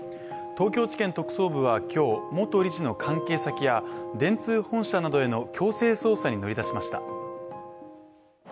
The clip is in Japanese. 東京地検特捜部は今日、元理事の関係先や電通本社などへの強制捜査に乗り出しました。